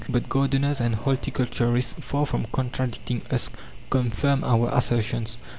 But gardeners and horticulturists, far from contradicting us, confirm our assertions.